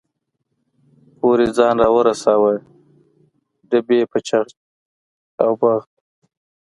پورې ځان را ورساوه، ډبې په چغ او بغ.